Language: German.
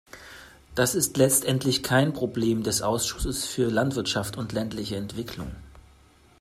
Das ist letztendlich kein Problem des Ausschusses für Landwirtschaft und ländliche Entwicklung.